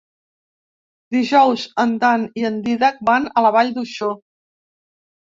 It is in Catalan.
Dijous en Dan i en Dídac van a la Vall d'Uixó.